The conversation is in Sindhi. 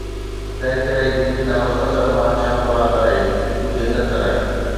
تنهنڪري گرين هائوس اثر مان ڇا مراد آهي ڪجهه هن طرح